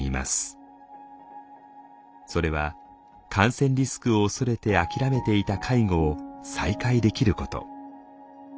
それは感染リスクを恐れて諦めていた介護を再開できること。